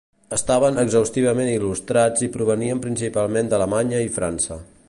Estaven exhaustivament il·lustrats i provenien principalment d'Alemanya i França.